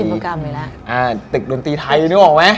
ศิลปกรรมเลยล่ะ